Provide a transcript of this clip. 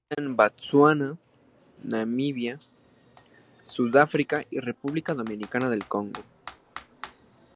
Habita en Botsuana, Namibia, Sudáfrica y República Democrática del Congo.